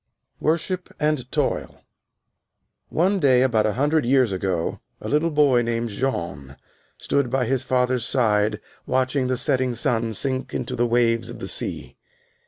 "_ WORSHIP AND TOIL One day about one hundred years ago a little boy named Jean stood by his father's side watching the setting sun sink into the waves of the sea.